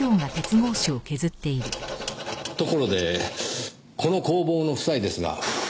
ところでこの工房の夫妻ですが。